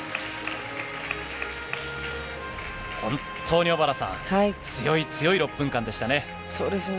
本当に小原さん、強い強い６分間そうですね。